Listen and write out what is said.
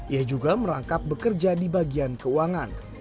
ia juga merangkap bekerja di bagian keuangan